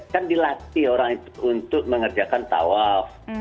kan dilatih orang itu untuk mengerjakan tawaf